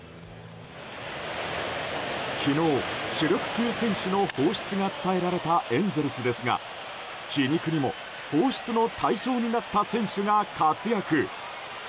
昨日、主力級選手の放出が伝えられたエンゼルスですが皮肉にも放出の対象になった選手が活躍。